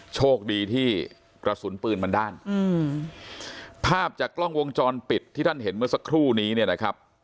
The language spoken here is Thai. โชคดีที่กระสุนปืนมันด้านอืมภาพจากกล้องวงจรปิดที่ท่านเห็นเมื่อสักครู่นี้เนี่ยนะครับ